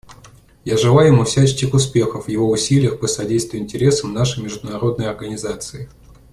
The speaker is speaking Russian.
Я желаю ему всяческих успехов в его усилиях по содействию интересам нашей международной организации.